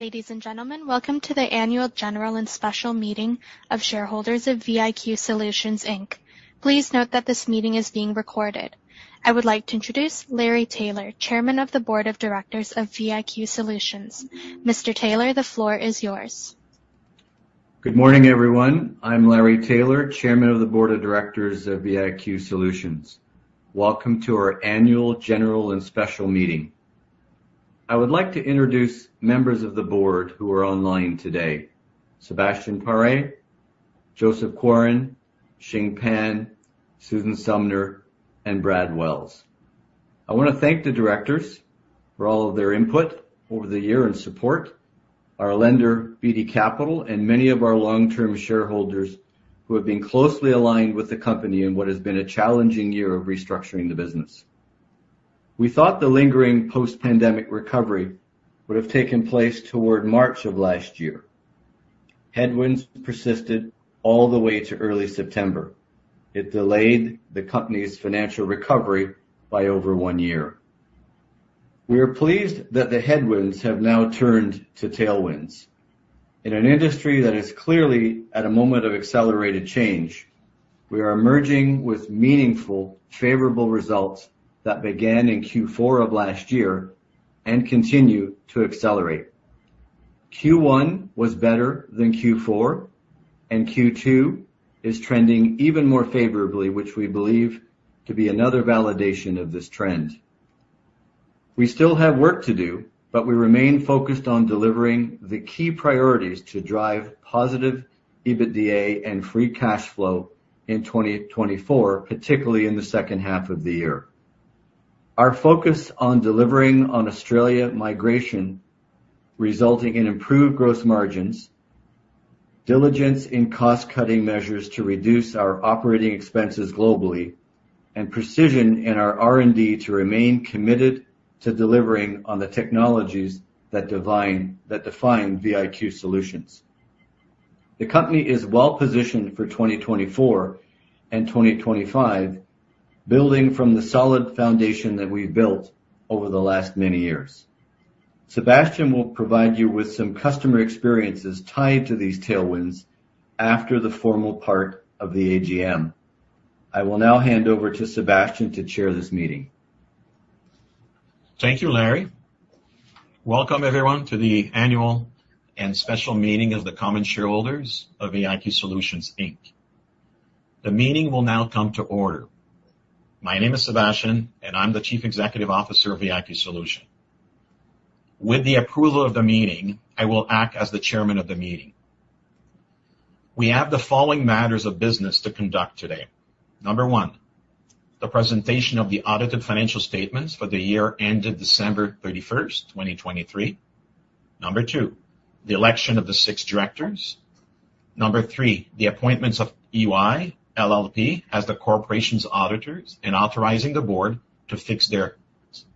Ladies and gentlemen, welcome to the Annual General and Special Meeting of Shareholders of VIQ Solutions, Inc. Please note that this meeting is being recorded. I would like to introduce Larry Taylor, Chairman of the Board of Directors of VIQ Solutions. Mr. Taylor, the floor is yours. Good morning, everyone. I'm Larry Taylor, Chairman of the Board of Directors of VIQ Solutions. Welcome to our Annual General and Special Meeting. I would like to introduce members of the Board who are online today. Sebastien Paré, Joseph Quarin, Shing Pan, Susan Sumner, and Brad Wells. I want to thank the directors for all of their input over the year and support, our lender, Beedie Capital, and many of our long-term shareholders who have been closely aligned with the company in what has been a challenging year of restructuring the business. We thought the lingering post-pandemic recovery would have taken place toward March of last year. Headwinds persisted all the way to early September. It delayed the company's financial recovery by over one year. We are pleased that the headwinds have now turned to tailwinds. In an industry that is clearly at a moment of accelerated change, we are emerging with meaningful, favorable results that began in Q4 of last year and continue to accelerate. Q1 was better than Q4, and Q2 is trending even more favorably, which we believe to be another validation of this trend. We still have work to do, but we remain focused on delivering the key priorities to drive positive EBITDA and free cash flow in 2024, particularly in the second half of the year. Our focus on delivering on Australia migration, resulting in improved gross margins, diligence in cost-cutting measures to reduce our operating expenses globally, and precision in our R&D to remain committed to delivering on the technologies that define VIQ Solutions. The company is well-positioned for 2024 and 2025, building from the solid foundation that we've built over the last many years. Sebastien will provide you with some customer experiences tied to these tailwinds after the formal part of the AGM. I will now hand over to Sebastien to Chair this meeting. Thank you, Larry. Welcome, everyone, to the Annual and Special Meeting of the common shareholders of VIQ Solutions, Inc. The meeting will now come to order. My name is Sebastien, and I am the Chief Executive Officer of VIQ Solutions. With the approval of the meeting, I will act as the Chairman of the meeting. We have the following matters of business to conduct today. Number one, the presentation of the audited financial statements for the year ended December 31st, 2023. Number two, the election of the six directors. Number three, the appointments of EY LLP as the corporation's auditors and authorizing the Board to fix their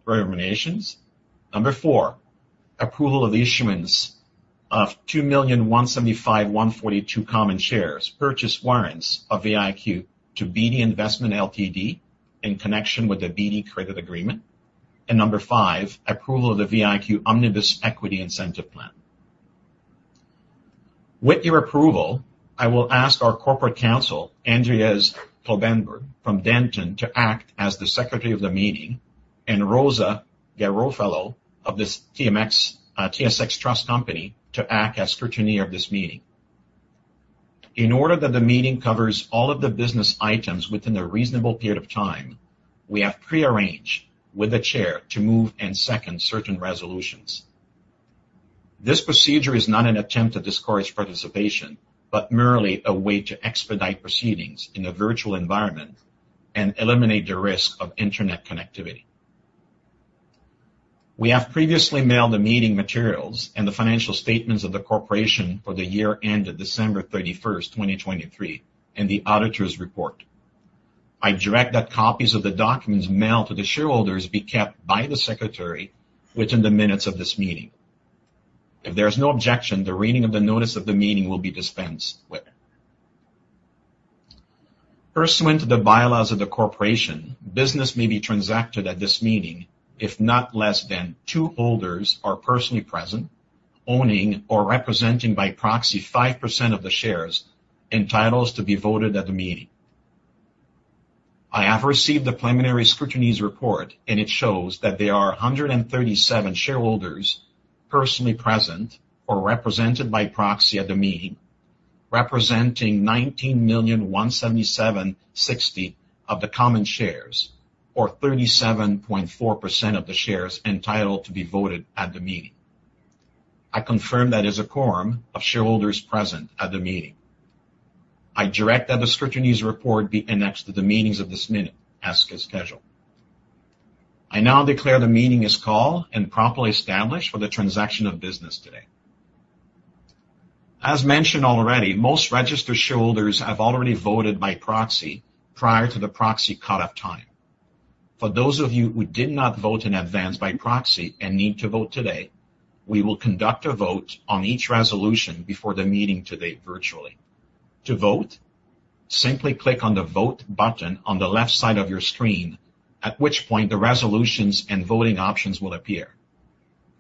remuneration. Number four, approval of the issuance of 2,175,142 common shares, purchase warrants of VIQ to Beedie Investments Ltd. in connection with the Beedie credit agreement. Number five, approval of the VIQ Omnibus Equity Incentive Plan. With your approval, I will ask our Corporate Counsel, Andreas Kloppenborg from Dentons, to act as the Secretary of the meeting, and Rosa Garofalo of TSX Trust Company to act as scrutineer of this meeting. In order that the meeting covers all of the business items within a reasonable period of time, we have pre-arranged with the Chair to move and second certain resolutions. This procedure is not an attempt to discourage participation, but merely a way to expedite proceedings in a virtual environment and eliminate the risk of internet connectivity. We have previously mailed the meeting materials and the financial statements of the corporation for the year ended December 31st, 2023, and the Auditor's Report. I direct that copies of the documents mailed to the shareholders be kept by the Secretary within the minutes of this meeting. If there's no objection, the reading of the notice of the meeting will be dispensed with. Pursuant to the bylaws of the corporation, business may be transacted at this meeting if not less than two holders are personally present, owning or representing by proxy 5% of the shares entitled to be voted at the meeting. I have received the preliminary scrutineer's report, and it shows that there are 137 shareholders personally present or represented by proxy at the meeting, representing 19,177,060 of the common shares or 37.4% of the shares entitled to be voted at the meeting. I confirm that is a quorum of shareholders present at the meeting. I direct that the scrutineer's report be annexed to the minutes of this meeting as scheduled. I now declare the meeting is called and properly established for the transaction of business today. As mentioned already, most registered shareholders have already voted by proxy prior to the proxy cutoff time. For those of you who did not vote in advance by proxy and need to vote today, we will conduct a vote on each resolution before the meeting today virtually. To vote, simply click on the vote button on the left side of your screen, at which point the resolutions and voting options will appear.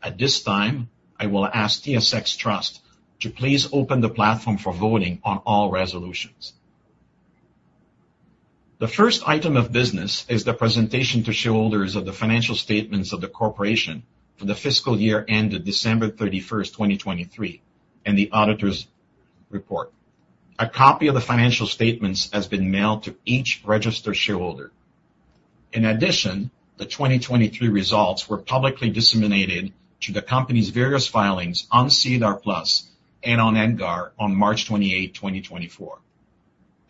At this time, I will ask TSX Trust to please open the platform for voting on all resolutions. The first item of business is the presentation to shareholders of the financial statements of the corporation for the fiscal year ended December 31st, 2023, and the auditor's report. A copy of the financial statements has been mailed to each registered shareholder. The 2023 results were publicly disseminated to the company's various filings on SEDAR+ and on EDGAR on March 28, 2024.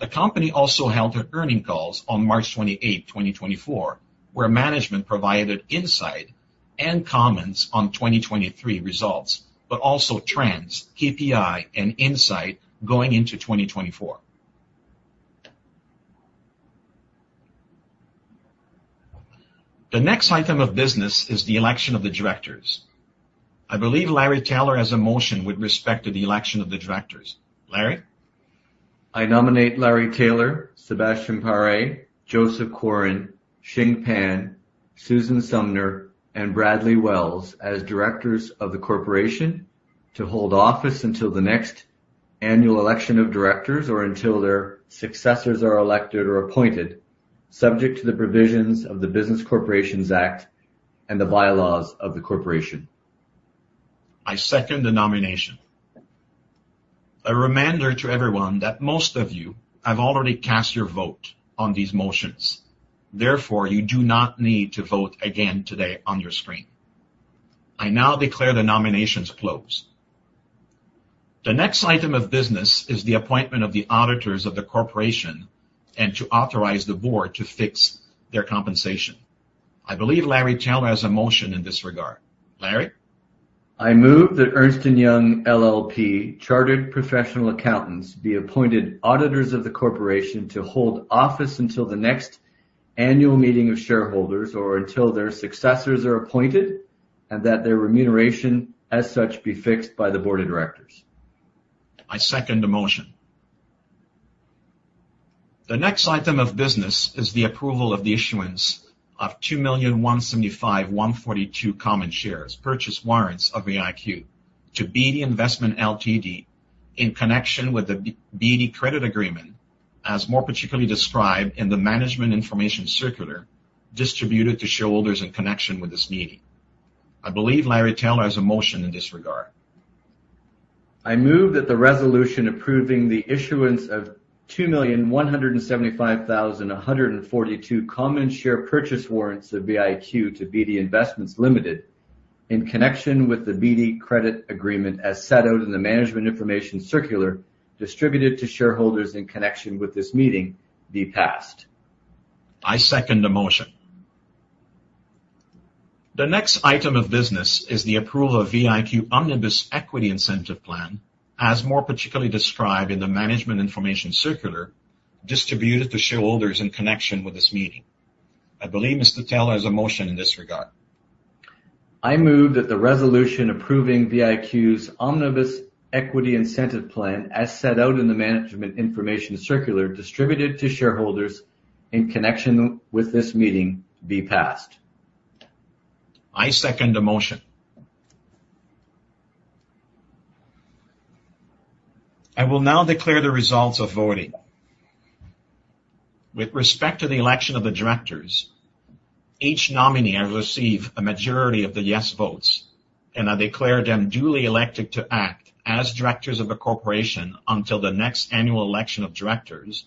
The company also held their earning calls on March 28, 2024, where management provided insight and comments on 2023 results, but also trends, KPI and insight going into 2024. The next item of business is the election of the directors. I believe Larry Taylor has a motion with respect to the election of the directors. Larry? I nominate Larry Taylor, Sebastien Paré, Joseph Quarin, Shing Pan, Susan Sumner, and Bradley Wells as Directors of the corporation to hold office until the next annual election of Directors or until their successors are elected or appointed, subject to the provisions of the Business Corporations Act and the bylaws of the corporation. I second the nomination. A reminder to everyone that most of you have already cast your vote on these motions. Therefore, you do not need to vote again today on your screen. I now declare the nominations closed. The next item of business is the appointment of the auditors of the corporation and to authorize the Board to fix their compensation. I believe Larry Taylor has a motion in this regard. Larry. I move that Ernst & Young LLP Chartered Professional Accountants be appointed auditors of the corporation to hold office until the next Annual Meeting of Shareholders or until their successors are appointed, and that their remuneration as such be fixed by the Board of Directors. I second the motion. The next item of business is the approval of the issuance of 2,175,142 common shares purchase warrants of VIQ to Beedie Investments Ltd. in connection with the Beedie Credit Agreement, as more particularly described in the management information circular distributed to shareholders in connection with this meeting. I believe Larry Taylor has a motion in this regard. I move that the resolution approving the issuance of 2,175,142 common share purchase warrants of VIQ to Beedie Investments Ltd. in connection with the Beedie Credit Agreement as set out in the Management Information Circular distributed to shareholders in connection with this meeting be passed. I second the motion. The next item of business is the approval of VIQ Omnibus Equity Incentive Plan, as more particularly described in the Management Information Circular distributed to shareholders in connection with this meeting. I believe Mr. Taylor has a motion in this regard. I move that the resolution approving VIQ's Omnibus Equity Incentive Plan as set out in the Management Information Circular distributed to shareholders in connection with this meeting be passed. I second the motion. I will now declare the results of voting. With respect to the election of the directors, each nominee have received a majority of the yes votes and I declare them duly elected to act as directors of the corporation until the next annual election of directors,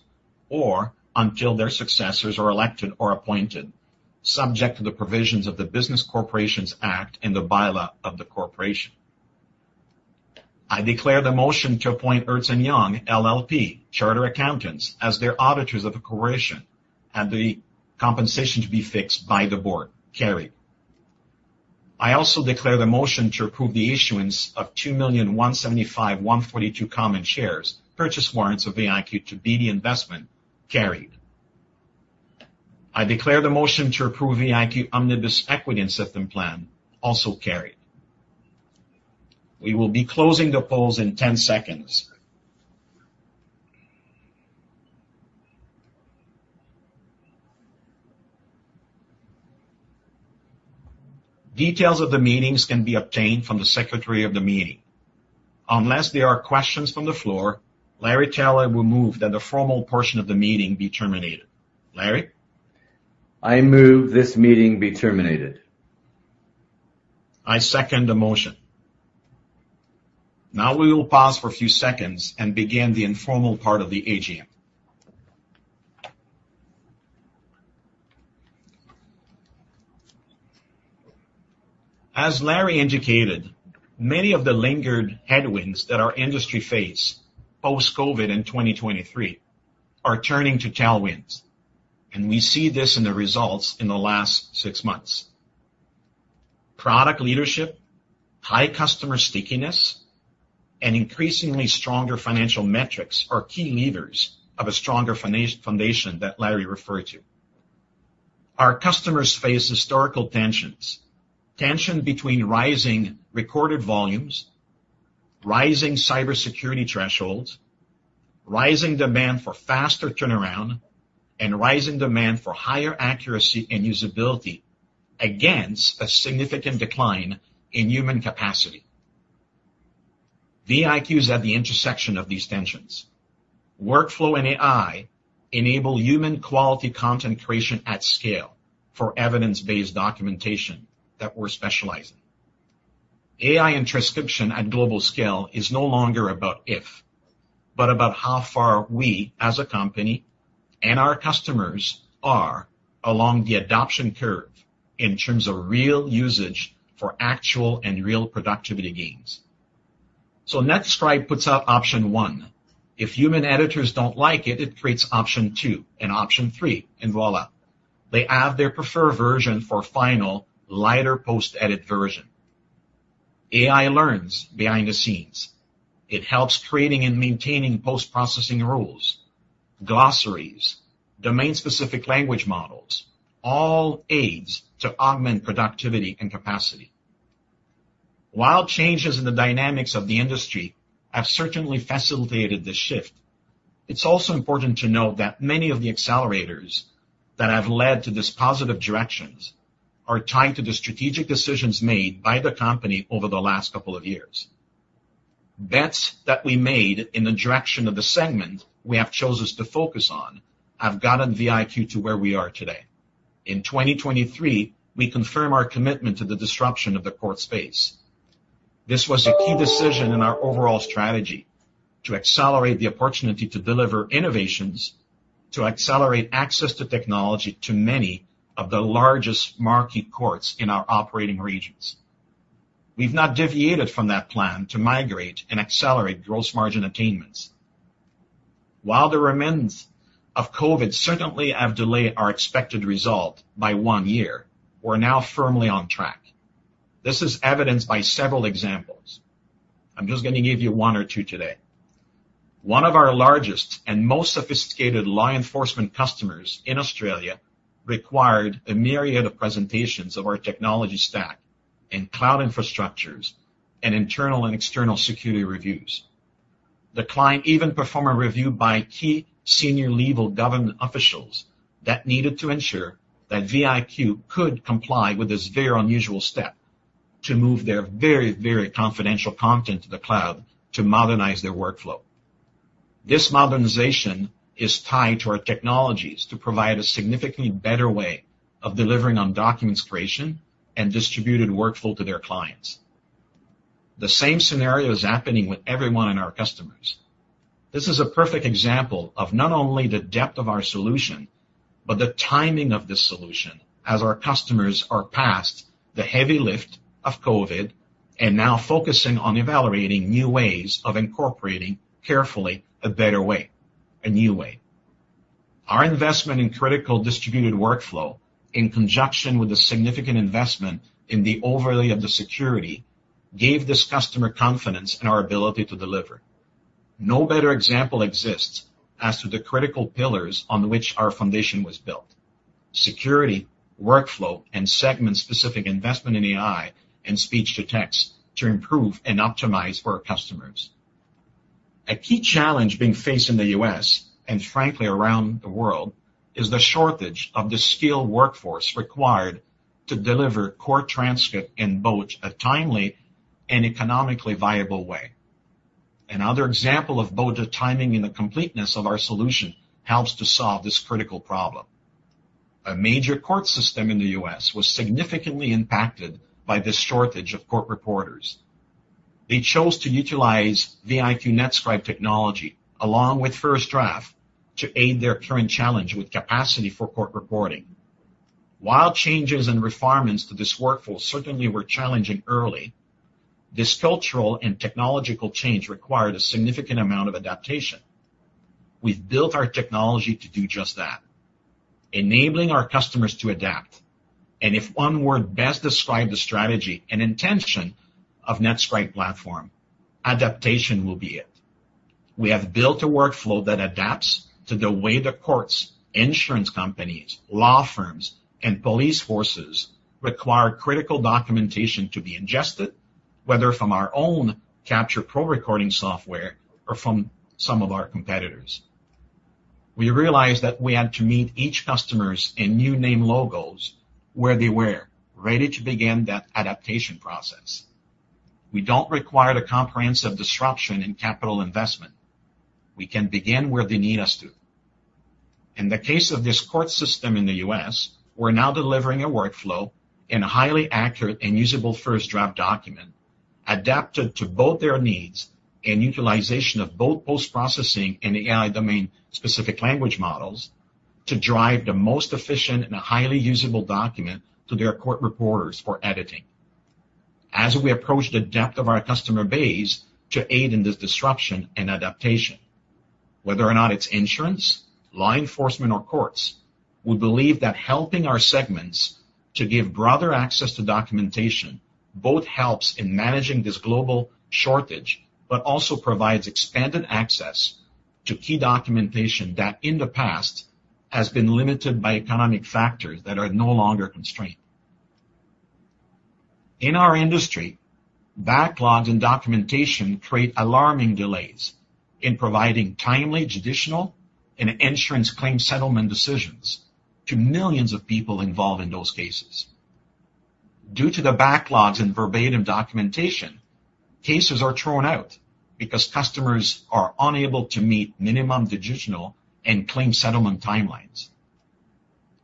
or until their successors are elected or appointed, subject to the provisions of the Business Corporations Act and the bylaw of the corporation. I declare the motion to appoint Ernst & Young LLP chartered accountants as their auditors of the corporation and the compensation to be fixed by the board carried. I also declare the motion to approve the issuance of 2,175,142 common shares purchase warrants of VIQ to Beedie Investments carried. I declare the motion to approve VIQ Omnibus Equity Incentive Plan also carried. We will be closing the polls in 10 seconds. Details of the meetings can be obtained from the Secretary of the meeting. Unless there are questions from the floor, Larry Taylor will move that the formal portion of the meeting be terminated. Larry? I move this meeting be terminated. I second the motion. Now we will pause for a few seconds and begin the informal part of the AGM. As Larry indicated, many of the lingered headwinds that our industry faced post-COVID in 2023 are turning to tailwinds. We see this in the results in the last six months. Product leadership, high customer stickiness, and increasingly stronger financial metrics are key levers of a stronger foundation that Larry referred to. Our customers face historical tensions. Tension between rising recorded volumes, rising cybersecurity thresholds, rising demand for faster turnaround, and rising demand for higher accuracy and usability against a significant decline in human capacity. VIQ is at the intersection of these tensions. Workflow and AI enable human quality content creation at scale for evidence-based documentation that we're specializing. AI and transcription at global scale is no longer about if, but about how far we as a company and our customers are along the adoption curve in terms of real usage for actual and real productivity gains. NetScribe puts up Option 1. If human editors don't like it creates Option 2 and Option 3, and voila. They have their preferred version for final lighter post-edit version. AI learns behind the scenes. It helps creating and maintaining post-processing rules, glossaries, domain-specific language models, all aids to augment productivity and capacity. While changes in the dynamics of the industry have certainly facilitated this shift, it's also important to note that many of the accelerators that have led to these positive directions are tied to the strategic decisions made by the company over the last couple of years. Bets that we made in the direction of the segment we have chosen to focus on have gotten VIQ to where we are today. In 2023, we confirm our commitment to the disruption of the court space. This was a key decision in our overall strategy to accelerate the opportunity to deliver innovations, to accelerate access to technology to many of the largest marquee courts in our operating regions. We've not deviated from that plan to migrate and accelerate gross margin attainments. While the remnants of COVID certainly have delayed our expected result by one year, we're now firmly on track. This is evidenced by several examples. I'm just going to give you one or two today. One of our largest and most sophisticated law enforcement customers in Australia required a myriad of presentations of our technology stack and cloud infrastructures and internal and external security reviews. The client even performed a review by key senior level government officials that needed to ensure that VIQ could comply with this very unusual step to move their very confidential content to the cloud to modernize their workflow. This modernization is tied to our technologies to provide a significantly better way of delivering on documents creation and distributed workflow to their clients. The same scenario is happening with everyone and our customers. This is a perfect example of not only the depth of our solution, but the timing of this solution as our customers are past the heavy lift of COVID and now focusing on evaluating new ways of incorporating carefully a better way, a new way. Our investment in critical distributed workflow in conjunction with a significant investment in the overlay of the security, gave this customer confidence in our ability to deliver. No better example exists as to the critical pillars on which our foundation was built. Security, workflow, and segment-specific investment in AI and speech-to-text to improve and optimize for our customers. A key challenge being faced in the U.S., and frankly around the world, is the shortage of the skilled workforce required to deliver court transcript in both a timely and economically viable way. Another example of both the timing and the completeness of our solution helps to solve this critical problem. A major court system in the U.S. was significantly impacted by this shortage of court reporters. They chose to utilize VIQ NetScribe technology along with FirstDraft to aid their current challenge with capacity for court reporting. While changes and refinements to this workflow certainly were challenging early, this cultural and technological change required a significant amount of adaptation. We've built our technology to do just that, enabling our customers to adapt, and if one word best described the strategy and intention of NetScribe platform, adaptation will be it. We have built a workflow that adapts to the way the courts, insurance companies, law firms, and police forces require critical documentation to be ingested, whether from our own CapturePro recording software or from some of our competitors. We realized that we had to meet each customers and new name logos where they were, ready to begin that adaptation process. We don't require the comprehensive disruption in capital investment. We can begin where they need us to. In the case of this court system in the U.S., we're now delivering a workflow and a highly accurate and usable FirstDraft document adapted to both their needs and utilization of both post-processing and AI domain-specific language models to drive the most efficient and highly usable document to their court reporters for editing. As we approach the depth of our customer base to aid in this disruption and adaptation, whether or not it's insurance, law enforcement, or courts, we believe that helping our segments to give broader access to documentation both helps in managing this global shortage, but also provides expanded access to key documentation that in the past has been limited by economic factors that are no longer a constraint. In our industry, backlogs and documentation create alarming delays in providing timely judicial and insurance claim settlement decisions to millions of people involved in those cases. Due to the backlogs in verbatim documentation, cases are thrown out because customers are unable to meet minimum judicial and claim settlement timelines.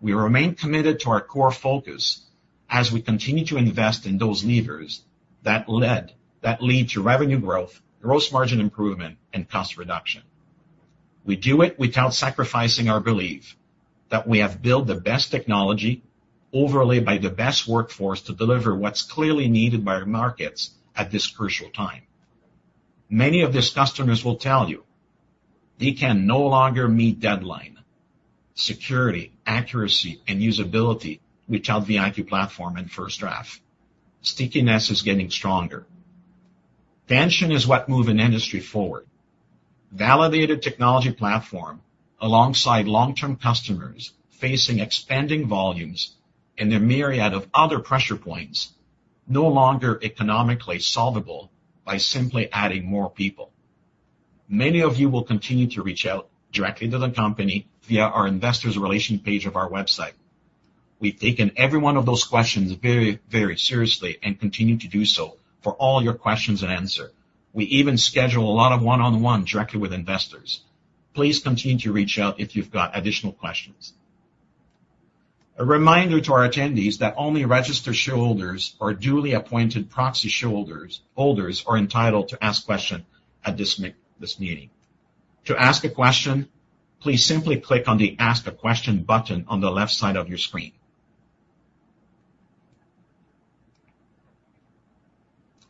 We remain committed to our core focus as we continue to invest in those levers that lead to revenue growth, gross margin improvement, and cost reduction. We do it without sacrificing our belief that we have built the best technology overlaid by the best workforce to deliver what's clearly needed by our markets at this crucial time. Many of these customers will tell you they can no longer meet deadline, security, accuracy, and usability without the VIQ platform and FirstDraft. Stickiness is getting stronger. Tension is what move an industry forward. Validated technology platform alongside long-term customers facing expanding volumes and a myriad of other pressure points no longer economically solvable by simply adding more people. Many of you will continue to reach out directly to the company via our Investor Relations page of our website. We've taken every one of those questions very, very seriously and continue to do so for all your questions and answers. We even schedule a lot of one-on-one directly with investors. Please continue to reach out if you've got additional questions. A reminder to our attendees that only registered shareholders or duly appointed proxy holders are entitled to ask questions at this meeting. To ask a question, please simply click on the Ask a Question button on the left side of your screen.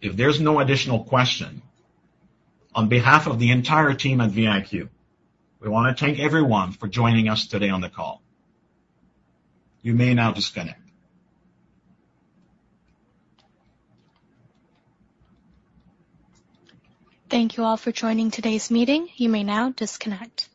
If there's no additional questions, on behalf of the entire team at VIQ, we want to thank everyone for joining us today on the call. You may now disconnect. Thank you all for joining today's meeting. You may now disconnect.